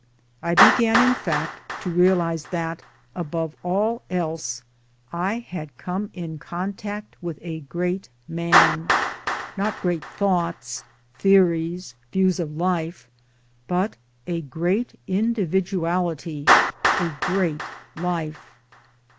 I began in fact to realize that, above all else, I had come in contact with a great Man ; not great thoughts, theories, views of life, but a great Indi viduality, a great Life.